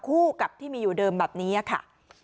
คู่กับที่มีอยู่เดิมแบบนี้ค่ะ